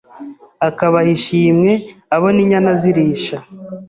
akabaha ishimwe abona inyana zirisha